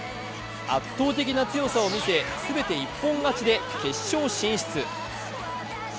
圧倒的な強さを見せすべて一本勝ちで決勝進出。